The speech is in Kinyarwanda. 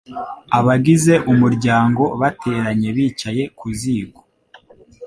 abagize umuryango bateranye, bicaye ku ziko.